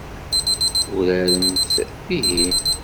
Uraremt dihin.